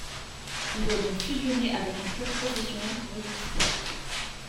Il doit donc fusionner avec un club professionnel pour exister.